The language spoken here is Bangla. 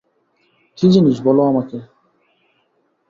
কী জিনিস বলো আমাকে।